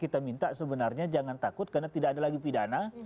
kita minta sebenarnya jangan takut karena tidak ada lagi pidana